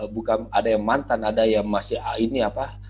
bukan ada yang mantan ada yang masih ini apa